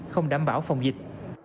không đảm bảo phòng dịch